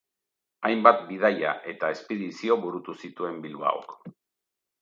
Hainbat bidaia eta espedizio burutu zituen Bilbaok.